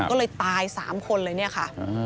ก็เลยตาย๓คนเลยเนี่ยค่ะ